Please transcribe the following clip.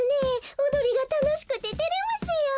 おどりがたのしくててれますよ。